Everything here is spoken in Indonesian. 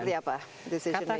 contohnya seperti apa